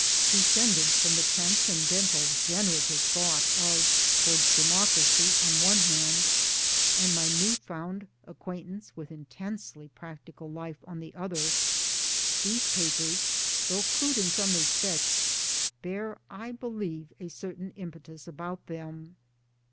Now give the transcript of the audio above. Descended from the transcendental generative thought of Towards Democracy on the one hand, and my new found acquaintance with intensely practical life on the other, these papers, though crude in some respects, bear I believe a certain impetus about them.